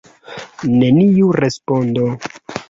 Neniu respondo!